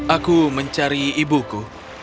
aku mencari ibuku